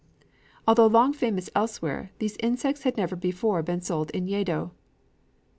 Although long famous elsewhere, these insects had never before been sold in Yedo.